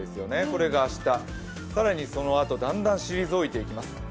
これが明日、更にそれがだんだん退いていきます。